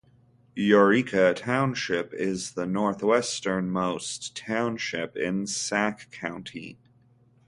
Eureka Township is the northwesternmost township in Sac County.